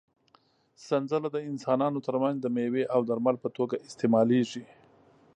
سنځله د انسانانو تر منځ د مېوې او درمل په توګه استعمالېږي.